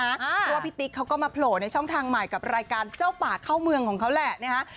เพราะว่าพี่ติ๊กเขาก็มาโผล่ในช่องทางใหม่กับรายการเจ้าป่าเข้าเมืองของเขาแหละนะฮะ